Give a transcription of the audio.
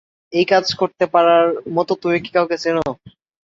এই কাজ করতে পারার মতো তুমি কি কাউকে চেনো?